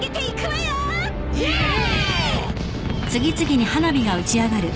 イエーイ！